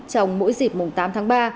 trong mỗi dịp tám tháng ba